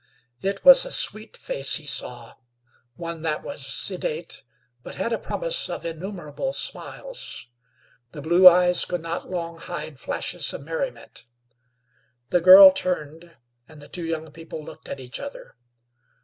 It was a sweet face he saw; one that was sedate, but had a promise of innumerable smiles. The blue eyes could not long hide flashes of merriment. The girl turned, and the two young people looked at each other.